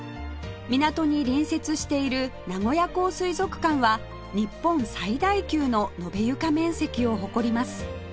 港に隣接している名古屋港水族館は日本最大級の延べ床面積を誇ります